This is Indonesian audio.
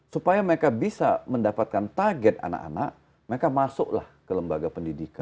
supaya mereka bisa mendapatkan target anak anak mereka masuklah ke lembaga pendidikan